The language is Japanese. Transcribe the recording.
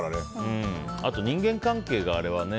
あと、人間関係があれはね。